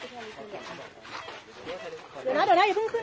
สวัสดีทุกคน